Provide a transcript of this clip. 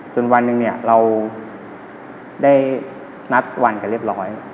วันหนึ่งเนี่ยเราได้นัดวันกันเรียบร้อย